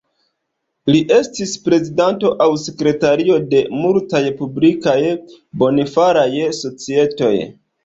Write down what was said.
Li estis prezidanto aŭ sekretario de multaj publikaj bonfaraj societoj.